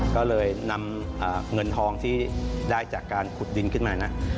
ก็เลยนำเงินทองที่ได้จากการขุดดินขึ้นมานะ